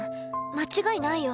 間違いないよ。